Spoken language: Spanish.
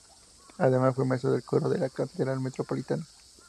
Además fue Maestro de Coro de la Catedral Metropolitana.